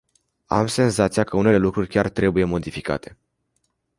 Am senzația că unele lucruri chiar trebuie modificate.